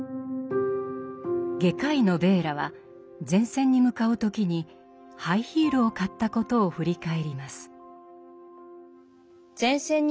外科医のヴェーラは前線に向かう時にハイヒールを買ったことを振り返ります。